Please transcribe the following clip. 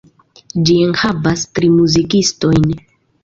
Ĝi enhavas tri muzikistojn.